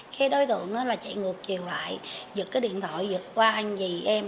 cái đối tượng nó là chạy ngược chiều lại giật cái điện thoại giật qua anh dì em